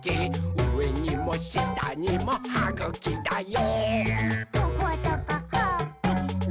うえにもしたにもはぐきだよ！」